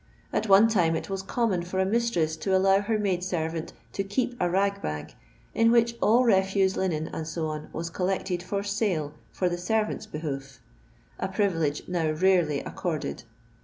At one time it was common for a mistreM to allow her maid servant to "keep a ng bag," in which all refiise linen, &c., was col lected for sale for the servant's behoof; a privilege now rarely accorded.